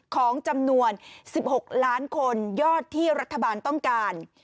ของจำนวน๑๖ล้านคนยอดที่รัฐบาลต้องการ